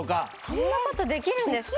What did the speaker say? そんな事できるんですか？